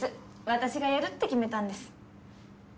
私がやるって決めたんです。